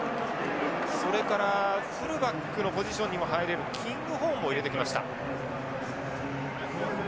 それからフルバックのポジションにも入れるキングホーンも入れてきました。